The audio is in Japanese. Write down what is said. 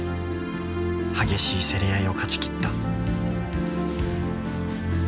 激しい競り合いを勝ちきった。